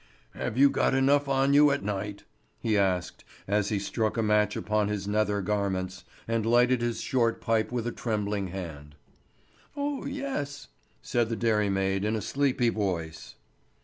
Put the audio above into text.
"Have you got enough on you at night?" he asked, as he struck a match upon his nether garments, and lighted his short pipe with a trembling hand. "Oh yes!" said the dairymaid in a sleepy voice.